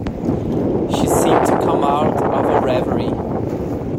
She seemed to come out of a reverie.